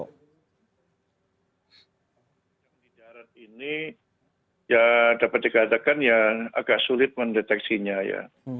kendaraan ini ya dapat dikatakan ya agak sulit mendeteksinya ya